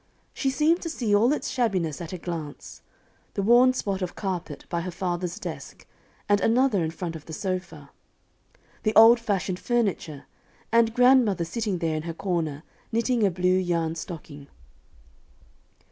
She seemed to see all its shabbiness at a glance the worn spot of carpet by her father's desk, and another in front of the sofa, the old fashioned furniture, and grandmother sitting there in her corner, knitting a blue yarn stocking.